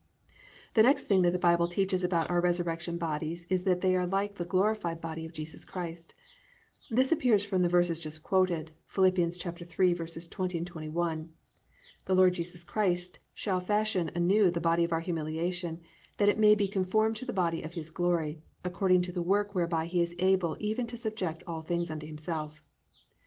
"+ 2. The next thing that the Bible teaches about our resurrection bodies is that they are like the glorified body of Jesus Christ. This appears from the verses just quoted, Phil. 3:20, 21: +"The Lord Jesus Christ ... shall fashion anew the body of our humiliation, that it may be conformed to the body of his glory, according to the work whereby he is able even to subject all things unto himself."